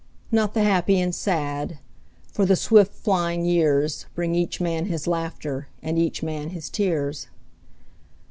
Not the happy and sad, for the swift flying years Bring each man his laughter and each man his tears.